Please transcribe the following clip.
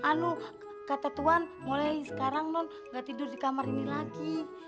anu kata tuhan mulai sekarang non gak tidur di kamar ini lagi